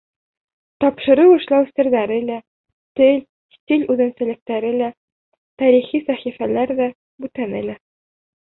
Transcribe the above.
Тапшырыу эшләү серҙәре лә, тел-стиль үҙенсәлектәре лә, тарихи сәхифәләр ҙә, бүтәне лә.